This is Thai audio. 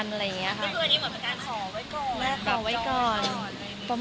มีปิดฟงปิดไฟแล้วถือเค้กขึ้นมา